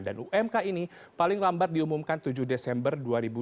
dan umk ini paling lambat diumumkan tujuh desember dua ribu dua puluh dua